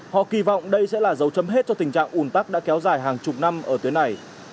họ kỳ vọng đây sẽ là dấu chấm hết cho tình trạng ủn tắc đã kéo dài hàng chục năm ở tuyến này